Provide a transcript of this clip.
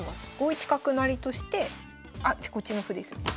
５一角成としてあっこっちの歩ですね。